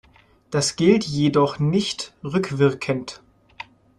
Das gilt jedoch nicht rückwirkend.